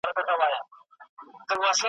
یو ناڅاپه سوه را ویښه له خوبونو .